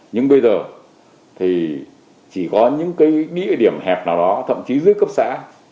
nhưng bây giờ chỉ có những địa điểm hẹp nào đó thậm chí dưới cấp xã